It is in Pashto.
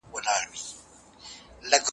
د اوبو د یوه سېل باندي ګذر و